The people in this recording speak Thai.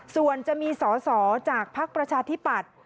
ส่วนจะมีสอสอจากภักดิ์ประชาธิปัตย์